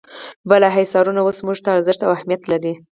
بالا حصارونه اوس موږ ته څه ارزښت او اهمیت لري.